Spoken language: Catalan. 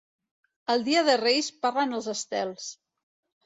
El dia de Reis parlen els estels.